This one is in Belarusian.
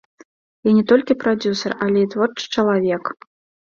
Я не толькі прадзюсар, але і творчы чалавек.